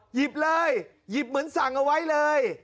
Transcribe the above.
หยิบเลยหยิบเหมือนสั่งเอาไว้เลย